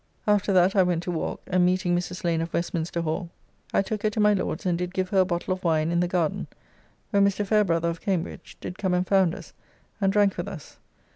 After, that I went to walk, and meeting Mrs. Lane of Westminster Hall, I took her to my Lord's, and did give her a bottle of wine in the garden, where Mr. Fairbrother, of Cambridge, did come and found us, and drank with us.